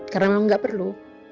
karena memang gak perlu